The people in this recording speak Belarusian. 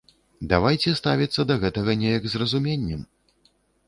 Давайце ставіцца да гэтага неяк з разуменнем.